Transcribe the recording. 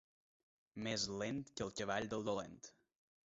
Més lent que el cavall del dolent.